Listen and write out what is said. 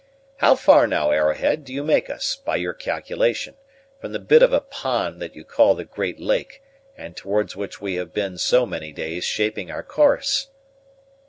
How far, now, Arrowhead, do you make us, by your calculation, from the bit of a pond that you call the Great Lake, and towards which we have been so many days shaping our course?"